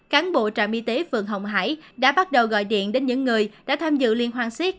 cán bộ trạm y tế phường hồng hải đã bắt đầu gọi điện đến những người đã tham dự liên hoan siếc